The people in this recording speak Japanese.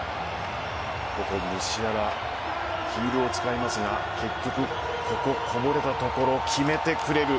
ここムシアラヒールを使いますが、結局ここ、こぼれたところ決めてくれる。